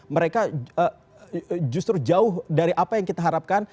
mereka justru jauh dari apa yang kita harapkan